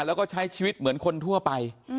แล้วก็ใช้ชีวิตเหมือนคนทั่วไป